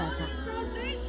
dan kehadirannya di bumi sosok